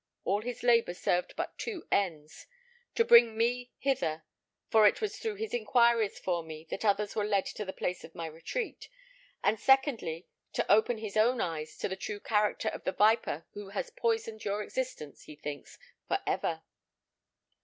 All his labour served but two ends: to bring me hither; for it was through his inquiries for me that others were led to the place of my retreat; and secondly, to open his own eyes to the true character of the viper who has poisoned your existence he thinks, for ever."